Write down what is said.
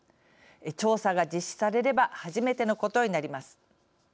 調査が実施されれば初めてのことになります。